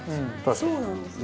そうなんですよね。